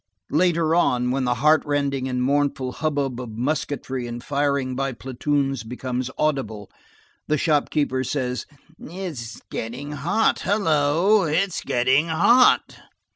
Later on, when the heart rending and mournful hubbub of musketry and firing by platoons becomes audible, the shopkeeper says:— "It's getting hot! Hullo, it's getting hot!"